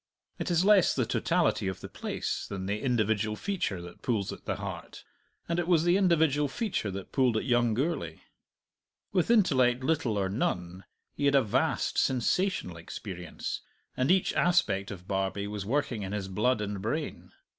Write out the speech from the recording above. It is less the totality of the place than the individual feature that pulls at the heart, and it was the individual feature that pulled at young Gourlay. With intellect little or none, he had a vast, sensational experience, and each aspect of Barbie was working in his blood and brain.